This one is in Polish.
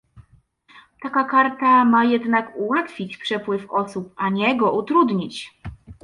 Taka karta ma jednak ułatwić przepływ osób, a nie go utrudnić